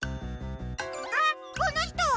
あっこのひとは？